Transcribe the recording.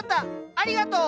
ありがとう！